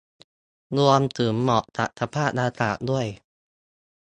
รวมถึงเหมาะกับสภาพอากาศด้วย